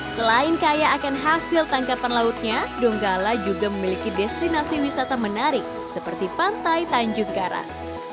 selain kaya akan hasil tangkapan lautnya donggala juga memiliki destinasi wisata menarik seperti pantai tanjung garang